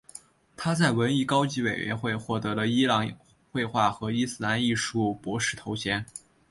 他在文艺高级委员会获得了伊朗绘画和伊斯兰艺术博士头衔。